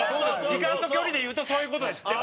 時間と距離で言うとそういう事です。